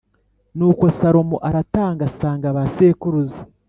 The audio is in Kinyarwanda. Nuko Salomo aratanga asanga ba sekuruza